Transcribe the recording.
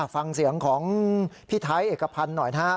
ฟังเสียงของพี่ไทยเอกพันธ์หน่อยนะครับ